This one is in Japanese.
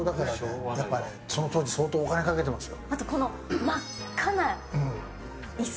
その当時、相当、お金かけています７よ。